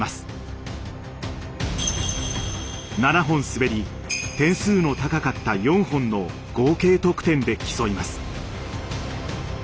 ７本滑り点数の高かった４本の合計得点で競います。